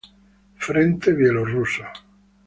Frente Bielorruso.